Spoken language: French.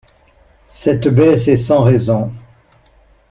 Cette baisse est sans raison!